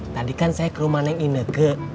tadi kan saya ke rumah neng ineke